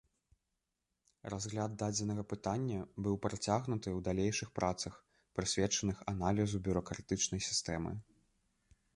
Разгляд дадзенага пытання быў працягнуты ў далейшых працах, прысвечаных аналізу бюракратычнай сістэмы.